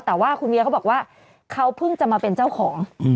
แต่ว่าคุณเมียเขาบอกว่าเขาเพิ่งจะมาเป็นเจ้าของ